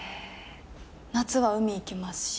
夏は海行きますし。